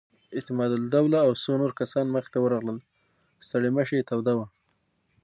اعتماد الدوله او څو نور کسان مخې ته ورغلل، ستړې مشې یې توده وه.